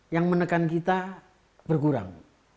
yang menekan kita berkurang